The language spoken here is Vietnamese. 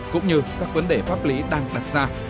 cũng như các vấn đề pháp lý đang đặt ra